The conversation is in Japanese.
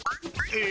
え？